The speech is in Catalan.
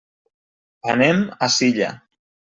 Anem a Silla.